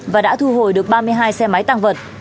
và đã thu hồi được ba mươi hai xe máy tăng vật